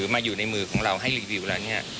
มาอยู่ในมือของเราให้รีวิวแล้วเนี่ย